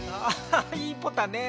いいポタね。